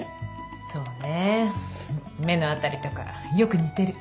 そうね目のあたりとかよくにてる。